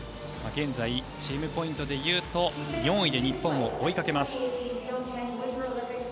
現在、チームポイントで言うと４位で、日本を追いかけます。